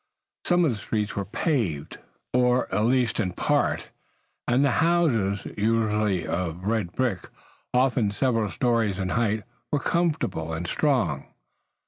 Some of the streets were paved, or at least in part, and the houses, usually of red brick, often several stories in height, were comfortable and strong.